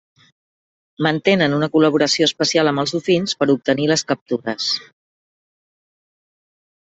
Mantenen una col·laboració especial amb els dofins per obtenir les captures.